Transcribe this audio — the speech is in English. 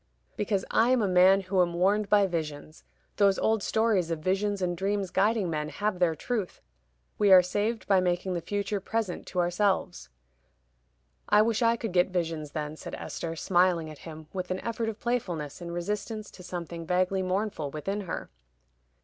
"Because I am a man who am warned by visions. Those old stories of visions and dreams guiding men have their truth; we are saved by making the future present to ourselves." "I wish I could get visions, then," said Esther, smiling at him, with an effort of playfulness, in resistance to something vaguely mournful within her.